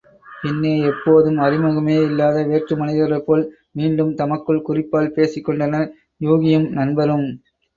பின்னே எப்போதும் அறிமுகமே இல்லாத வேற்று மனிதர்களைப் போல் மீண்டும் தமக்குள் குறிப்பால் பேசிக் கொண்டனர் யூகியும், நண்பரும்.